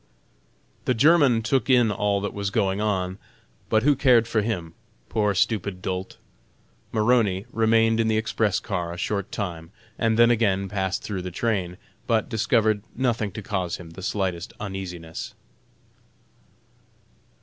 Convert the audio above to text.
The German took in all that was going on, but who cared for him? poor, stupid dolt! Maroney remained in the express car a short time, and then again passed through the train, but discovered nothing to cause him the slightest uneasiness.